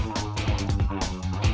tidak ada yang bisa dikunci